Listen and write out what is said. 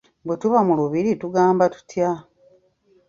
Bwe tuba mu lubiri tugamba tutya?